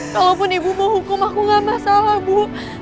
kalaupun ibu mau hukum aku gak masalah bu